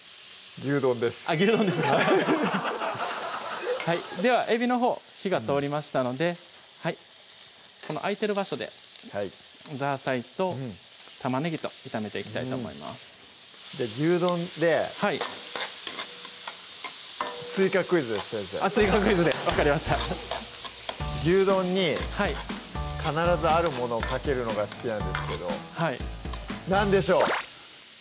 牛丼ですあっ牛丼ですかではえびのほう火が通りましたので空いてる場所ではいザーサイと玉ねぎと炒めていきたいと思いますじゃあ牛丼ではい追加クイズです先生あっ追加クイズで分かりました牛丼に必ずあるものをかけるのが好きなんですけど何でしょう？